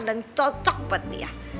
dan cocok buat dia